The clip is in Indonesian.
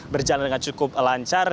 berjalan dengan cukup lancar